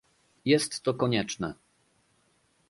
Jest to konieczne